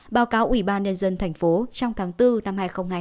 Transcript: báo cáo ủy ban nhân dân tp trong tháng bốn năm hai nghìn hai mươi hai